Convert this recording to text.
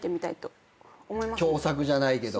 共作じゃないけど。